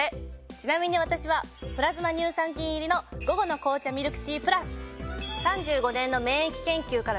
ちなみに私はプラズマ乳酸菌入りの午後の紅茶ミルクティープラス。